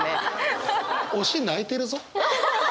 推し泣いてるぞ。